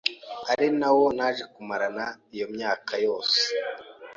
ari na wo naje kumarana iyo myaka yose